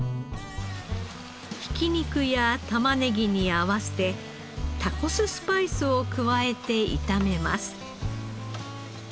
挽き肉やタマネギに合わせタコススパイスを加えて炒めます。